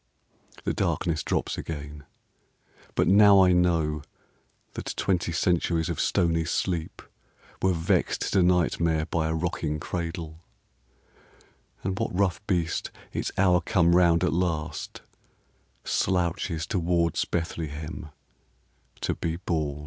The darkness drops again; but now I know That twenty centuries of stony sleep Were vexed to nightmare by a rocking cradle, And what rough beast, its hour come round at last, Slouches towards Bethlehem to be born?